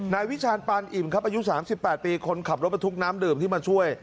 นายวิชาณปานอิ่มครับอายุสามสิบแปดปีคนขับรถไปทุกน้ำดื่มที่มาช่วย